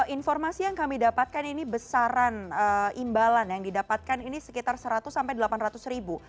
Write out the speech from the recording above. informasi yang kami dapatkan ini besaran imbalan yang didapatkan ini sekitar seratus sampai delapan ratus ribu